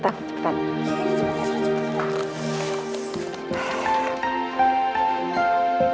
ntar ngasih tau